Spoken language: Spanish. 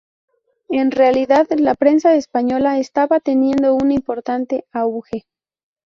En realidad la prensa española estaba teniendo un importante auge.